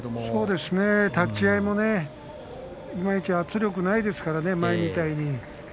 そうですね、立ち合いもいまひとつ圧力がないですからね前みたいに。